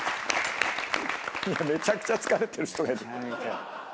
めちゃくちゃ疲れてる人がいる。